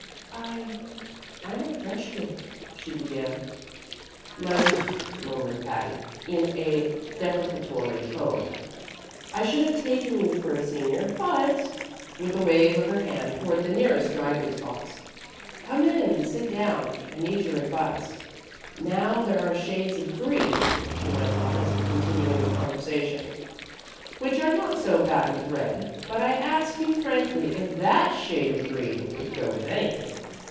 "I I'm a freshman," she began. "My dear," murmured Patty, in a deprecatory tone, "I should have taken you for a senior; but" with a wave of her hand toward the nearest dry goods box "come in and sit down. I need your advice. Now, there are shades of green," she went on, as if continuing a conversation, "which are not so bad with red; but I ask you frankly if that shade of green would go with anything?"